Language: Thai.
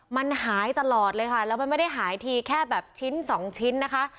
มันหายตลอดเลยค่ะแล้วมันไม่ได้หายทีแค่แบบชิ้นสองชิ้นนะคะ